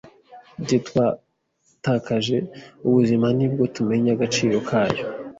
Igihe twatakaje ubuzima ni bwo tumenya agaciro kayo.